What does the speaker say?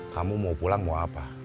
kamu mau pulang mau apa